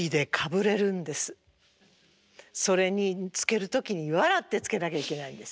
それにつける時に笑ってつけなきゃいけないんです。